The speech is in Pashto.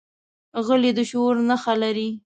غلی، د شعور نښه لري.